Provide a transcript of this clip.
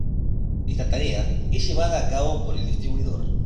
Esta tarea es llevada a cabo por el "distribuidor".